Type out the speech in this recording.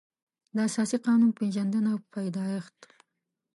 د اساسي قانون پېژندنه او پیدایښت